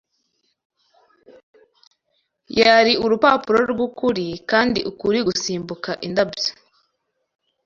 yari Urupapuro rwukuri; Kandi Ukuri gusimbuka indabyo